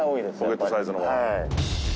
ポケットサイズの物。